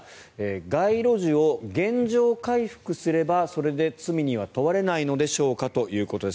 街路樹を現状回復すればそれで罪には問われないのでしょうか？ということです。